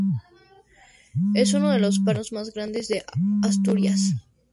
Es uno de los parques urbanos más grandes de Asturias.